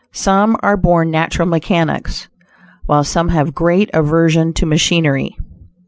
Some are born natural mechanics, while some have great aversion to machinery.